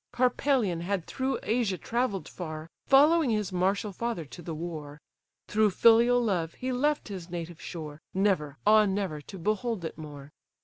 Harpalion had through Asia travell'd far, Following his martial father to the war: Through filial love he left his native shore, Never, ah, never to behold it more!